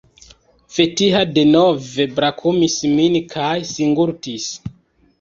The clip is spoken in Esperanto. Vetiha denove brakumis min kaj singultis.